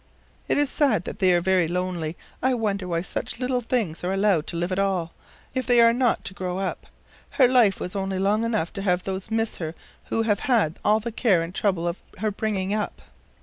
It is said that they are very lonely. I wonder why such little things are allowed to live at all, if they are not to grow up. Her life was only long enough to have those miss her who have had all the care and trouble of her bringing up."